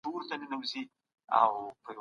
خو یوازې ځینې ترې ګټه اخلي.